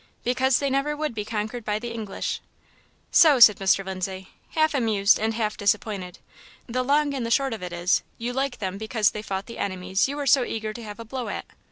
"Because they never would be conquered by the English." "So," said Mr. Lindsay, half amused and half disappointed, "the long and the short of it is, you like them because they fought the enemies you were so eager to have a blow at."